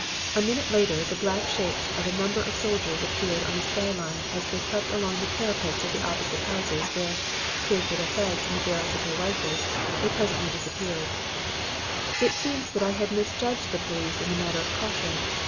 A minute later the black shapes of a number of soldiers appeared on the sky line as they crept along the parapets of the opposite houses where, save for their heads and the barrels of their rifles, they presently disappeared. "It seemed that I had misjudged the police in the matter of caution.